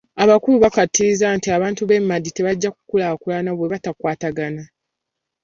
Abakulu bakkaatiriza nti abantu b'e Madi tebajja kukulaakulana bwe bataakwatagane.